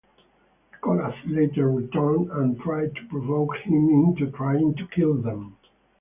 The Collas later returned and tried to provoke him into trying to kill them.